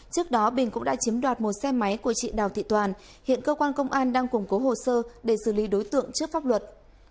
trước đó bình cũng đã chiếm đoạt một xe máy của chị đào thị toàn hiện cơ quan công an đang củng cố hồ sơ để xử lý đối tượng trước pháp luật